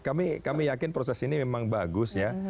kami yakin proses ini memang bagus ya